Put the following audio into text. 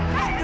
kau apa itu